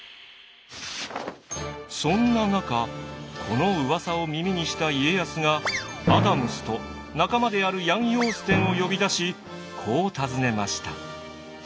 そんな中このうわさを耳にした家康がアダムスと仲間であるヤン・ヨーステンを呼び出しこう尋ねました。